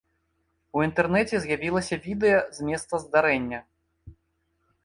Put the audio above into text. У інтэрнэце з'явілася відэа з месца здарэння.